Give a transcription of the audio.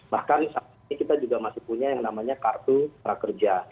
bahkan saat ini kita juga masih punya yang namanya kartu prakerja